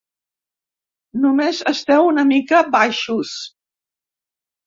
Només esteu una mica baixos.